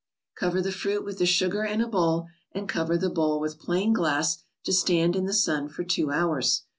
Cover the fruit with the sugar in a bowl, and cover the bowl with plain glass to stand in the sun for two hours.